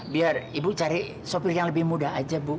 biar ibu cari supir yang lebih mudah aja bu